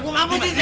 aku mau disini